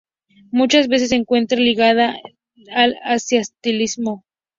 Muchas veces, se encuentra ligada al existencialismo.